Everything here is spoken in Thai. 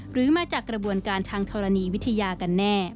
หรือมาจากกระบวนการทางธรณีวิทยากันแน่